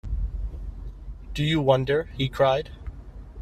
“Do you wonder?” he cried.